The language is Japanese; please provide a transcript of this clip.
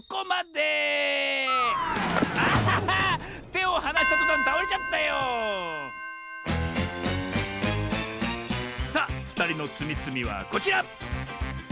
てをはなしたとたんたおれちゃったよさあふたりのつみつみはこちら！